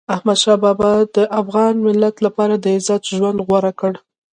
احمدشاه بابا د افغان ملت لپاره د عزت ژوند غوره کړ.